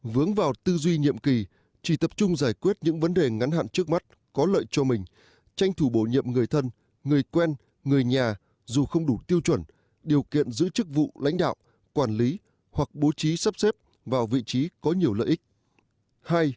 vướng vào tư duy nhiệm kỳ chỉ tập trung giải quyết những vấn đề ngắn hạn trước mắt có lợi cho mình tranh thủ bổ nhiệm người thân người quen người nhà dù không đủ tiêu chuẩn điều kiện giữ chức vụ lãnh đạo quản lý hoặc bố trí sắp xếp vào vị trí có nhiều lợi ích